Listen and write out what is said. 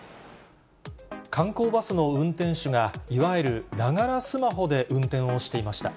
観光バスの運転手が、いわゆるながらスマホで運転をしていました。